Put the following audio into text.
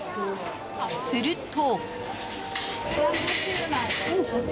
すると。